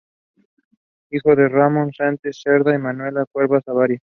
Hijo de "Ramón Santelices Cerda" y "Manuela Cuevas Avaria".